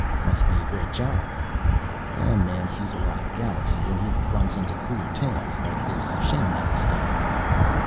"Must be a great job." "A man sees a lot of the galaxy, and he runs into queer tales, like this sjambak stuff."